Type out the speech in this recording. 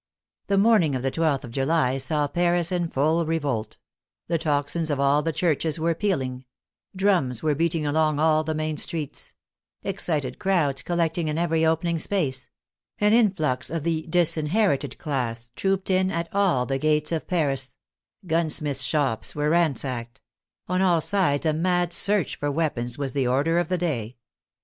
The morning of the I2th of July saw Paris in full revolt ; the tocsins of all the churches were pealing ; drums were beating along all the main streets; excited crowds collecting in every opening space ; an influx of the " disinherited " class trooped in at all the gates of Paris ; gunsmiths' shops were ransacked; on all sides a mad search for weapons was the order of the day.